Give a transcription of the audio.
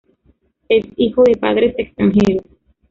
Es hijo de padres extranjeros.